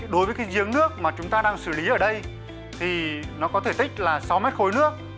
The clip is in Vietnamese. đối với cái giếng nước mà chúng ta đang xử lý ở đây thì nó có thể tích là sáu mét khối nước